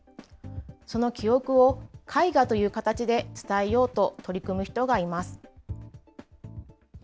その記憶を絵画という形で伝えようと取り組む人がいます。